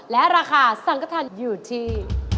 และราคาสังกระทันอยู่ที่